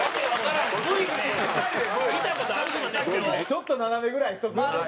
ちょっと斜めぐらいにしとく？